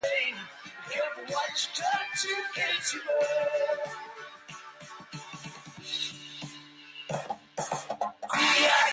These houses were the first "trulli" which contributed to the expansion of the settlement.